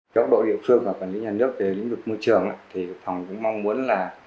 các đội địa phương và quản lý nhà nước về lĩnh vực môi trường thì phòng cũng mong muốn là